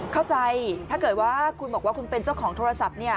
เข้าใจถ้าเกิดคุณบอกว่าคุณเป็นเจ้าของโทรศัพท์